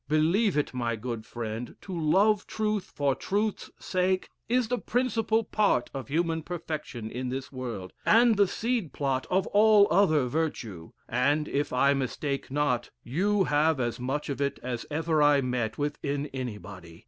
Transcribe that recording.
Believe it my good friend, to love truth for truth's sake, is the principal part of human perfection in this world, and the seed plot of all other virtue; and, if I mistake not, you have as much of it as ever I met with in anybody.